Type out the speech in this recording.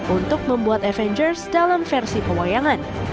untuk membuat avengers dalam versi pewayangan